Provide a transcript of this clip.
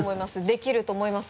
できると思います？